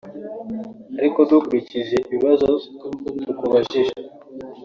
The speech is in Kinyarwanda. ariko dukurikije ibibazo tukubajije